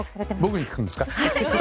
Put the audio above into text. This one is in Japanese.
僕に聞くんですか？